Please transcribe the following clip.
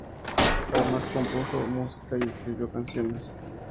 Además, compuso música y escribió canciones.